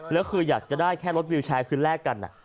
แล้วคืออยากจะได้แค่รถวิวแชร์คือแลกกัน